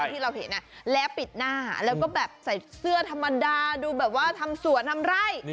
ที่เราเห็นแล้วปิดหน้าแล้วก็แบบใส่เสื้อธรรมดาดูแบบว่าทำสวนทำไร่